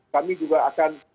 kami juga akan